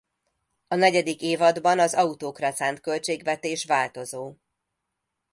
A negyedik évadban az autókra szánt költségvetés változó.